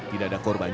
tidak ada korban